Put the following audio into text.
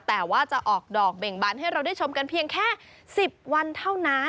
แต่ว่าจะออกดอกเบ่งบันให้เราได้ชมกันเพียงแค่๑๐วันเท่านั้น